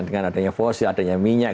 dengan adanya fosil adanya minyak